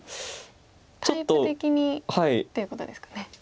タイプ的にっていうことですかね。